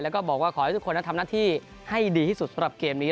แล้วก็บอกว่าขอให้ทุกคนนั้นทำหน้าที่ให้ดีที่สุดสำหรับเกมนี้